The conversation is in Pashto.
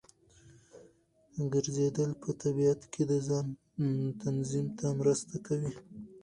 ګرځېدل په طبیعت کې د ځان تنظیم ته مرسته کوي.